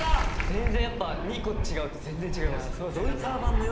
全然やっぱ２個違うと全然違います。